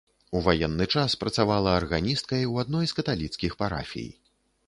У ваенны час працавала арганісткай ў адной з каталіцкіх парафій.